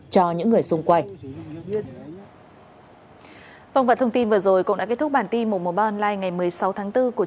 cho những người xung quanh